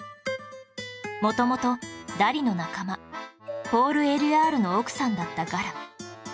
元々ダリの仲間ポール・エリュアールの奥さんだったガラ